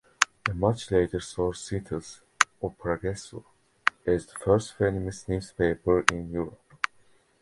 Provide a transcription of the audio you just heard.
A much later source cites "O Progresso" as the first feminist newspaper in Europe.